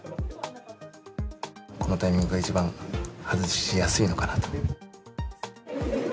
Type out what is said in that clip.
このタイミングが一番外しやすいのかなと。